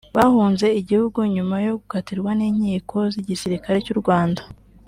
bahunze igihugu nyuma yo gukatirwa n’inkiko z’igisirikare cy’u Rwanda